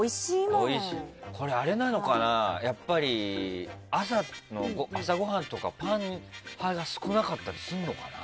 あれなのかな、やっぱり朝ごはんとか、パン派が少なかったりするのかな。